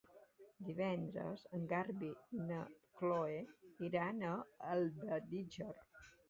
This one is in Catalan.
Divendres en Garbí i na Chloé iran a Almedíxer.